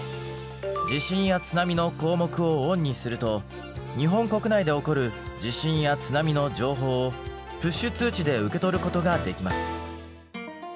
地震や津波の項目をオンにすると日本国内で起こる地震や津波の情報をプッシュ通知で受け取ることができます。